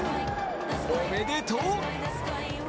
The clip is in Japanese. おめでとう！